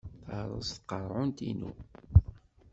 Terreẓ tqerɛunt-inu.